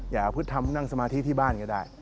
อยากประพฤติธรรมนั่งสมาธิที่บ้านก็ได้